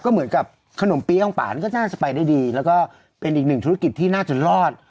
ก็เหมือนกับขนมปี้องป่านี่ก็น่าจะไปได้ดีแล้วก็เป็นอีกหนึ่งธุรกิจที่น่าจะรอด